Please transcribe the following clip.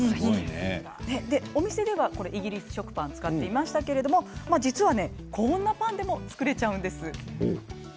店ではイギリスパンを使っていましたけれども、こんなパンでも作れちゃうんです。